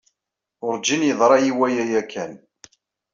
Urǧin yeḍra-yi waya yakan.